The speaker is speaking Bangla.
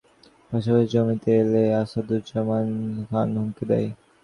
পাশাপাশি জমিতে এলে আসাদুল্লাহ্ সরকারকে মেরে ফেলা হবে বলে হুমকি দেয় সন্ত্রাসীরা।